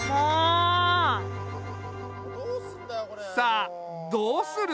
さあどうする？